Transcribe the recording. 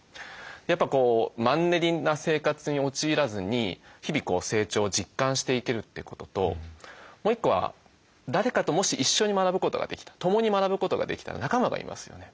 やっぱマンネリな生活に陥らずに日々成長を実感していけるってことともう一個は誰かともし一緒に学ぶことができた共に学ぶことができたら仲間がいますよね。